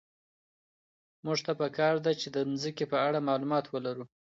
موږ ته په کار ده چي د مځکي په اړه معلومات ولرو.